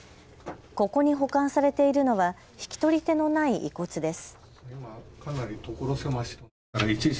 ここに保管されているのは引き取り手のない遺骨です。